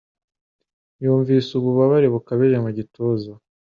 Yumvise ububabare bukabije mu gituza.